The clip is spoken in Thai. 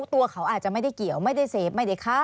ตัวเขาอาจจะไม่ได้เกี่ยวไม่ได้เสพไม่ได้ฆ่า